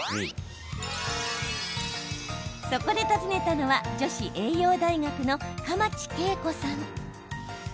そこで訪ねたのは女子栄養大学の蒲池桂子さん。